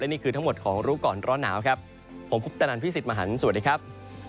นี่คือทั้งหมดของรู้ก่อนร้อนหนาวครับผมคุปตนันพี่สิทธิ์มหันฯสวัสดีครับ